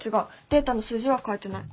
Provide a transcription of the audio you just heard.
データの数字は変えてない。